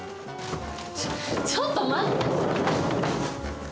ちょちょっと待って。